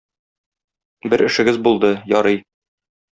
Бер эшегез булды, ярый.